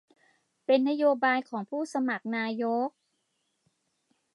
เป็นนโยบายของผู้สมัครนายก